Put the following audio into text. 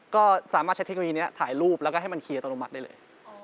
ก็สามารถใช้เทคโกยีนี้ถ่ายรูปแล้วให้มันคีย์ตนองดมัดได้เลย